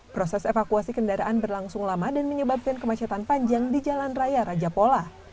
proses evakuasi kendaraan berlangsung lama dan menyebabkan kemacetan panjang di jalan raya raja pola